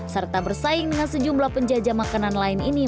serta bersaing dengan sejumlah penjajah makanan lain ini